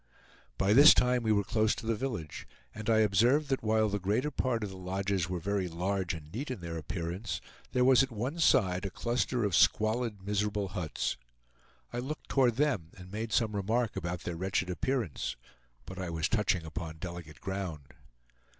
By this time we were close to the village, and I observed that while the greater part of the lodges were very large and neat in their appearance, there was at one side a cluster of squalid, miserable huts. I looked toward them, and made some remark about their wretched appearance. But I was touching upon delicate ground.